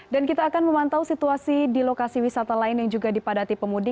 dan kita akan memantau situasi di lokasi wisata lain yang juga dipadati pemudi